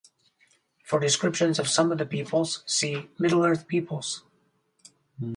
For descriptions of some of the peoples, see: Middle-earth peoples.